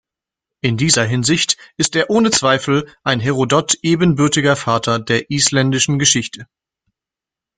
In dieser Hinsicht ist er ohne Zweifel ein Herodot ebenbürtiger Vater der isländischen Geschichte.